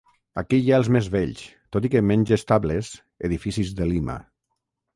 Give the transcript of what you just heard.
Aquí hi ha els més vells, tot i que menys estables, edificis de Lima.